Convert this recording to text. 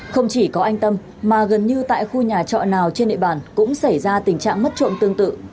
không chỉ có anh tâm mà gần như tại khu nhà trọ nào trên địa bàn cũng xảy ra tình trạng mất trộm tương tự